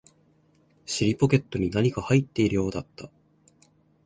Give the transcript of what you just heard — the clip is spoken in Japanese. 尻ポケットに何か入っているようだった